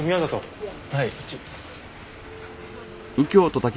はい。